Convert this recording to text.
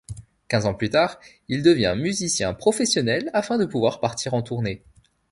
Quinze ans plus tard, il devient musicien professionnel afin de pouvoir partir en tournée.